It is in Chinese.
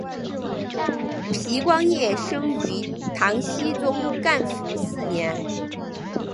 皮光业生于唐僖宗干符四年。